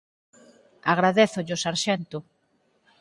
Agradézollo, sarxento.